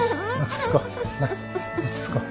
落ち着こう。